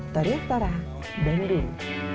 tariak tora bandung